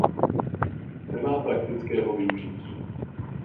Nemá praktického využití.